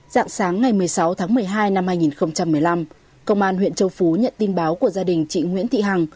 dạng sáng ngày một mươi sáu tháng một mươi hai năm hai nghìn một mươi năm công an huyện châu phú nhận tin báo của gia đình chị nguyễn thị hằng